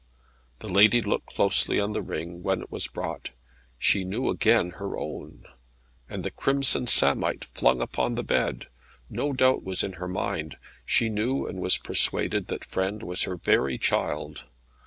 The lady looked closely on the ring, when it was brought. She knew again her own, and the crimson samite flung upon the bed. No doubt was in her mind. She knew and was persuaded that Frêne was her very child.